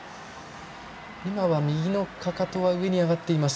今は右のかかとは上に上がっています。